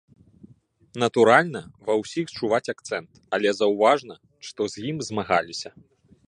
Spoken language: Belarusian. Натуральна, ва ўсіх чуваць акцэнт, але заўважна, што з ім змагаліся.